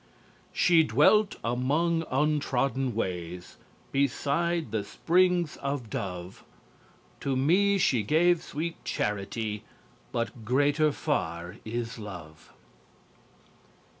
"_She dwelt among untrodden ways, Beside the springs of Dove, To me she gave sweet Charity, But greater far is Love.